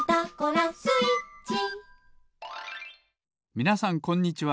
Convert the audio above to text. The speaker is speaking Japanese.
みなさんこんにちは。